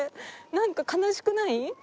なんか悲しくない？